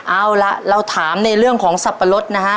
เอาล่ะเราถามในเรื่องของสับปะรดนะฮะ